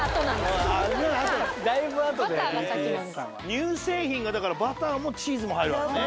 乳製品がだからバターもチーズも入るわけね。